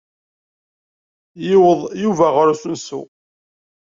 Yuweḍ Yuba ɣer usensu.